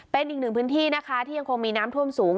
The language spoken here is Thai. เป็นอีกหนึ่งพื้นที่นะคะที่ยังคงมีน้ำท่วมสูง